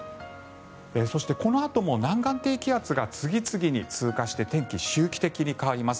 そしてこのあとも南岸低気圧が次々に通過して天気は周期的に変わります。